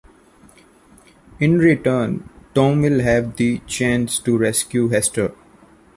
In return, Tom will have the chance to rescue Hester.